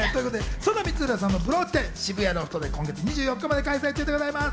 そんな光浦さんのブローチ展、渋谷ロフトで今月２４日まで開催中です。